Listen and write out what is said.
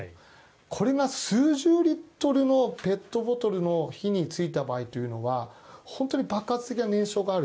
これが数十リットルのペットボトルに火がついた場合というのは本当に爆発的な燃焼がある。